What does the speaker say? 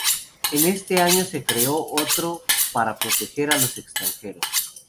En este año se creó otro para proteger a los extranjeros.